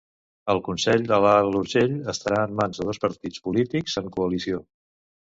El Consell de l'Alt Urgell estarà en mans de dos partits polítics en coalició.